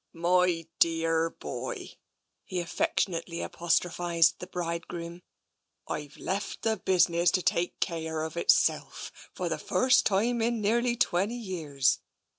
" My dearr boy," he affectionately apostrophised the bridegroom, " I've left the business to take cajnirr of itself, for the first time in nearly twenty years.